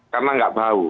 karena nggak bau